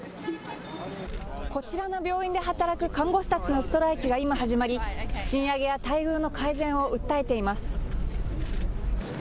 こちらの病院で働く看護師たちのストライキが今始まり、賃上げや待遇の改善を訴えています。